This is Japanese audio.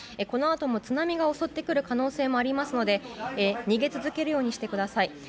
このあとも津波が襲ってくる可能性もありますので逃げ続けるようにしてください。